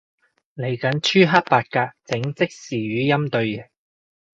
嚟緊朱克伯格整即時語音對譯